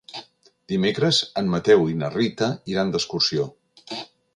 Dimecres en Mateu i na Rita iran d'excursió.